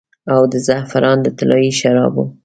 او د زعفران د طلايي شرابو